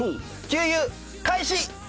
給湯開始！